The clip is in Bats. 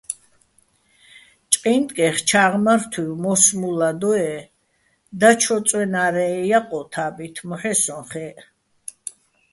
ჭკინტკეხ ჩა́ღმართუჲვ მო́სმულა დოე́ დაჩო წვენა́რეჼ ჲაყო̆ თა́ბით, მოჰ̦ე სოჼ ხე́ჸ.